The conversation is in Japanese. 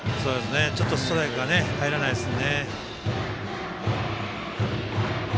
ちょっとストライクが入らないですね。